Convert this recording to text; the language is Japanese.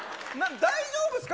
大丈夫ですか。